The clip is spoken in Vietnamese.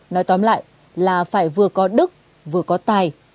nói tóm lại là phải vừa có đức vừa có tài